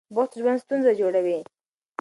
بوخت ژوند ستونزه جوړوي.